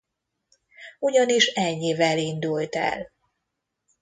Ugyanis ennyivel indult el.